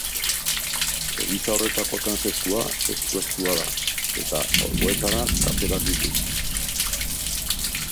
Eliza horretako transeptua estu-estua da, eta alboetara kaperak ditu.